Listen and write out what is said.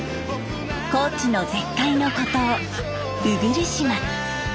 高知の絶海の孤島鵜来島。